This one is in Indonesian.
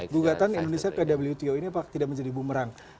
gugatan indonesia ke wto ini apa tidak menjadi bumerang